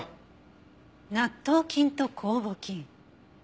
納豆菌と酵母菌。